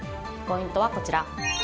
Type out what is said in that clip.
ポイントはこちら。